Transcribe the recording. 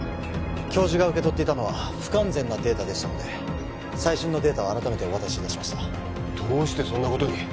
教授が受け取っていたのは不完全なデータでしたので最新のデータを改めてお渡しいたしましたどうしてそんなことに？